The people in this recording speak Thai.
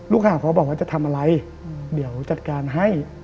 ข่าวเขาบอกว่าจะทำอะไรเดี๋ยวจัดการให้